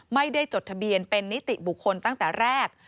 ไม่ได้จดทะเบียนเป็นนิติบุคคลตั้งแต่แรก